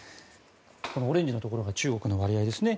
このオレンジのところが中国の割合ですね。